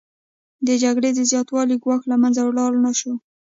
د جګړې د زیاتوالي ګواښ له منځه لاړ نشو